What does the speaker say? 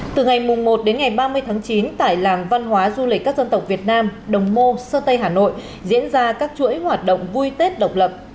từ ngày một đến ngày ba mươi tháng chín tại làng văn hóa du lịch các dân tộc việt nam đồng mô sơn tây hà nội diễn ra các chuỗi hoạt động vui tết độc lập